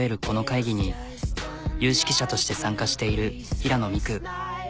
この会議に有識者として参加している平野未来。